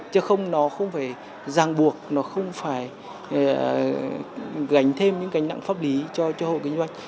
chứ không nó không phải ràng buộc nó không phải gánh thêm những cái nặng pháp lý cho hộ kinh doanh